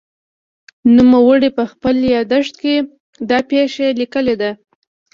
نوموړي په خپل یادښت کې دا پېښه لیکلې ده.